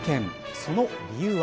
その理由は。